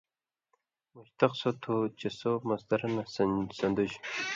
مشتق سو تُھو چے سو مصدرہ نہ سندُژ